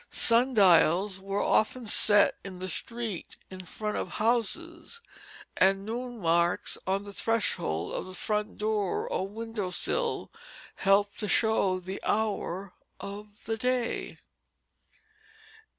Sun dials were often set in the street in front of houses; and noon marks on the threshold of the front door or window sill helped to show the hour of the day.